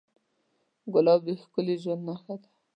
ګلاب د ښکلي ژوند نښه ده.